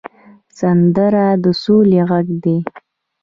سندره د سولې غږ دی